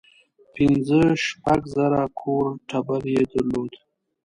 پنځه شپږ زره کور ټبر یې درلود.